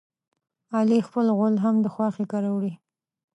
علي خپل غول هم د خواښې کره وړي.